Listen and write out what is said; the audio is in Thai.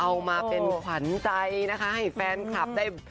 เอามาเป็นขวัญใจนะคะให้แฟนคลับได้